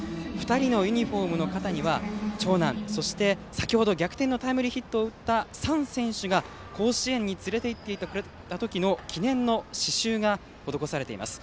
２人のユニフォームの肩には長男、先ほど逆転のタイムリーヒットを打った燦選手が甲子園に連れて行ってくれたときの記念の刺しゅうが施されています。